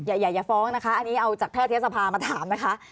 อย่าอย่าอย่าอย่าฟ้องนะคะอันนี้เอาจากแพร่เฮียสภามาถามนะคะ